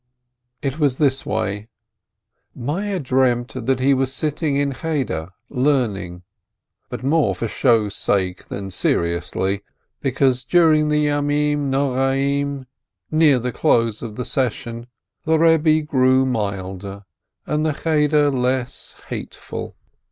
It was this way : Meyer dreamt that he was sitting in Cheder learning, but more for show's sake than seriously, because during the Days of Penitence, near the close of the session, the Eebbe grew milder, and Cheder less hateful.